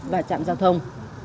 và chạm giao thông